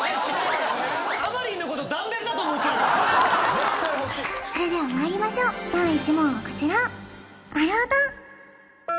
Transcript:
絶対欲しいそれではまいりましょう第１問はこちら